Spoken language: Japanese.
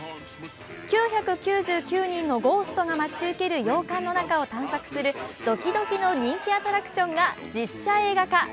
９９９人のゴーストが待ち受ける洋館の中を探索するドキドキの人気アトラクションが実写映画化。